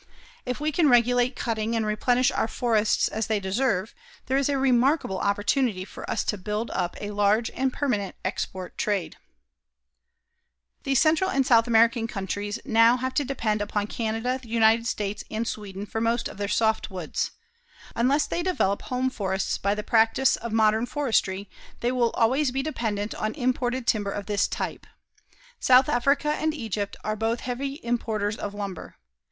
If we can regulate cutting and replenish our forests as they deserve, there is a remarkable opportunity for us to build up a large and permanent export trade. [Illustration: YOUNG WHITE PINE SEEDED FROM ADJOINING PINE TREES] The Central and South American countries now have to depend on Canada, the United States and Sweden for most of their softwoods. Unless they develop home forests by the practice of modern forestry, they will always be dependent on imported timber of this type. South Africa and Egypt are both heavy importers of lumber.